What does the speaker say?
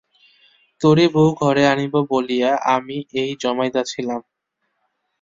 তোরই বউ ঘরে আনিব বলিয়া আমি এ জমাইতেছিলাম।